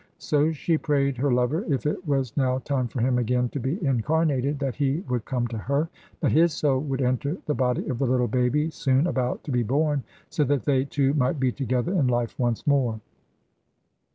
So she prayed her lover, if it was now time for him again to be incarnated, that he would come to her that his soul would enter the body of the little baby soon about to be born, so that they two might be together in life once more.